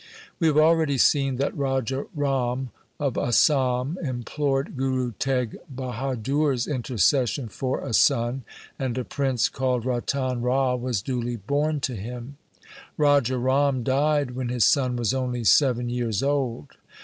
1 We have already seen that Raja Ram of Asam implored Guru Teg Bahadur's intercession for a son, and a prince called Ratan Rai was duly born to him. Raja Ram died when his son was only seven years old.